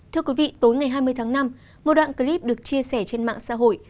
thưa quý vị tối ngày hai mươi tháng năm một đoạn clip được chia sẻ trên mạng xã hội